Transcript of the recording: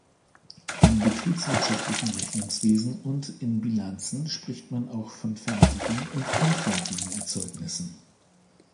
Im betriebswirtschaftlichen Rechnungswesen und in Bilanzen spricht man auch von fertigen und unfertigen Erzeugnissen.